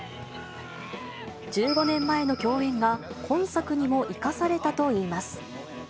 １５年前の共演が、今作にも生かされたといいます。